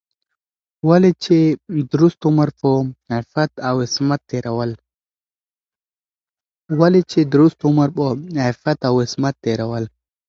ولې چې درست عمر په عفت او عصمت تېرول